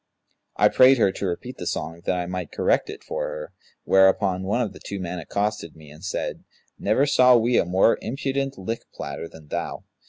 I prayed her to repeat the song, that I might correct it for her; whereupon one of the two men accosted me and said, 'Never saw we a more impudent lick platter than thou.